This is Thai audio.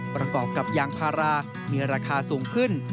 ประกอบกับยางพารามีราคาสูงขึ้น